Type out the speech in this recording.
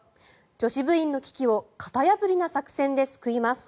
女子部員の危機を型破りな作戦で救います。